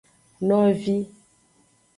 Novi.